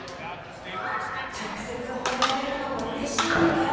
ちょくせつほめられるのもうれしいけど。